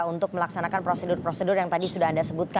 untuk melaksanakan prosedur prosedur yang tadi sudah anda sebutkan